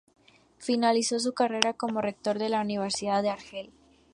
Finalizó su carrera como rector de la Universidad de Argel.